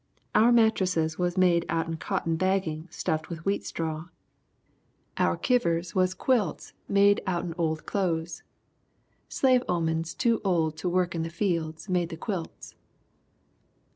Our mattresses was made outen cotton bagging stuffed with wheat straw. Our kivers was quilts made outen old clothes. Slave 'omens too old to work in the fields made the quilts.